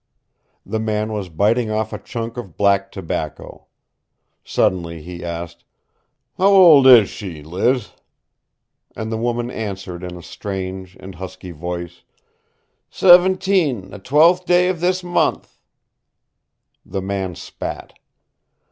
The man was biting off a chunk of black tobacco. Suddenly he asked, "How old is she, Liz?" And the woman answered in a strange and husky voice. "Seventeen the twelfth day of this month." The man spat.